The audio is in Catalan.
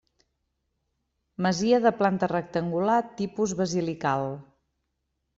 Masia de planta rectangular, tipus basilical.